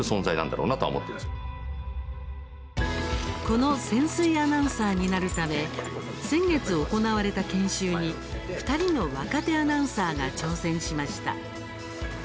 この潜水アナウンサーになるため先月、行われた研修に２人の若手アナウンサーが挑戦しました。